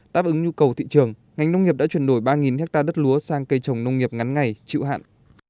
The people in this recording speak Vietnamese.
táp ứng nhu cầu thị trường ngành nông nghiệp đã chuyển đổi ba nhắc ta đất lúa sang cây trồng nông nghiệp ngắn ngày chịu hạn